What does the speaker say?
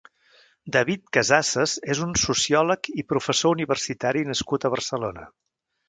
David Casassas és un sociòleg i professor universitari nascut a Barcelona.